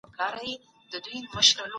بهرنی سیاست د نړیوال تفاهم لپاره لار هواروي.